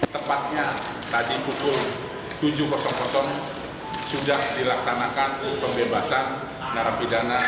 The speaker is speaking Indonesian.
tepatnya tadi pukul tujuh sudah dilaksanakan pembebasan narapidana